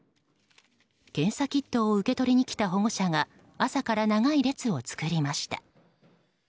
検査キットを受け取りに来た保護者が朝から長い列を作りました。